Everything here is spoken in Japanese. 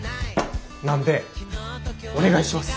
なんでお願いします！